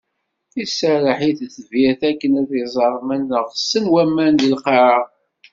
Iserreḥ i tetbirt akken ad iẓer ma neɣsen waman di lqaɛa.